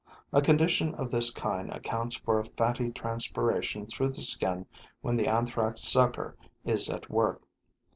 A condition of this kind accounts for a fatty transpiration through the skin when the Anthrax' sucker is at work.